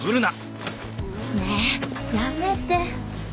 ねえやめて！